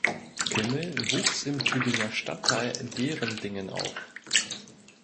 Kimmel wuchs im Tübinger Stadtteil Derendingen auf.